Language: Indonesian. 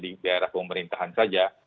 di daerah pemerintahan saja